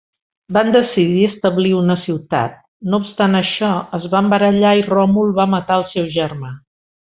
Van decidir establir una ciutat; no obstant això, es van barallar i Ròmul va matar el seu germà.